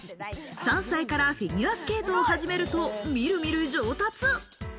３歳からフィギュアスケートを始めると、みるみる上達。